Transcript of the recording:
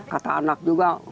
kata anak juga